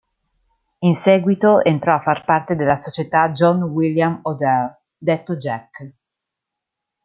In seguito entrò a far parte della società John William Odell, detto Jack.